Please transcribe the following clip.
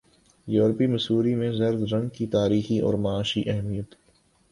یورپی مصوری میں زرد رنگ کی تاریخی اور معاشی اہمیت